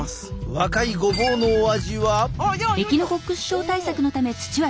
若いごぼうのお味は？え！